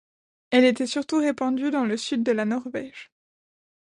Elle était surtout répandue dans le sud de la Norvège.